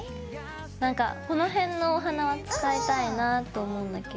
なんかこの辺のお花は使いたいなと思うんだけど。